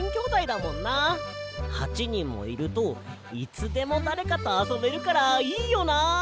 ８にんもいるといつでもだれかとあそべるからいいよな。